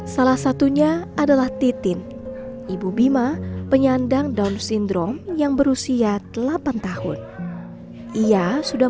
salah satunya adalah titin ibu bima penyandang down syndrome yang berusia delapan tahun ia sudah